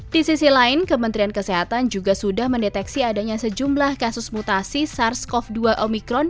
di sisi lain kementerian kesehatan juga sudah mendeteksi adanya sejumlah kasus mutasi sars cov dua omikron